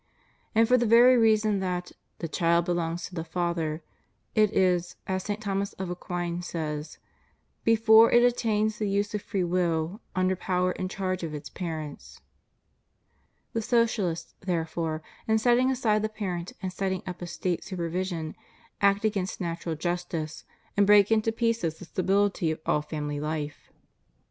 And for the very reason that "the child belongs to the father," it is, as St. Thomas of Aquin says, "before it attains the use of free will, under power and charge of its parents." * The Socialists, there fore, in setting aside the parent and setting up a State supervision, act against natural justice, and break into pieces the stability of all family life.